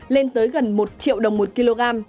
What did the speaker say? lên tới gần một triệu đồng một kg